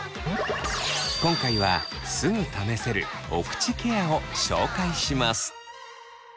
今回はすぐ試せる「おくちケア」を紹介します。